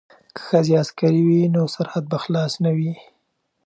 که ښځې عسکرې وي نو سرحد به خلاص نه وي.